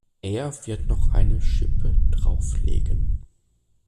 Er wird noch eine Schippe drauflegen.